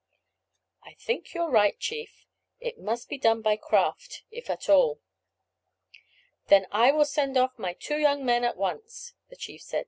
"I think you are right, chief. It must be done by craft if at all." "Then I will send off my two young men at once," the chief said.